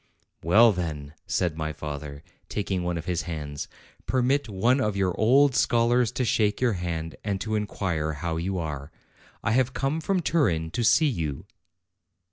. "Well, then," said my father, taking one of his hands, "permit one of your old scholars to shake your hand and to inquire how you are. I have come from Turin to see you."